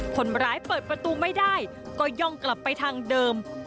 คนร้ายเปิดประตูไม่ได้ก็ย่องกลับไปทางเดิม